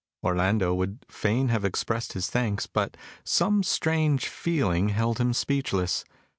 Orlando would fain have expressed his thanks, but some strange feeling held him speechless.